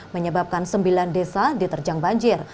menyebabkan sembilan desa diterjang banjir